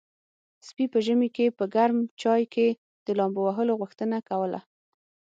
سپي په ژمي کې په ګرم چای کې د لامبو وهلو غوښتنه کوله.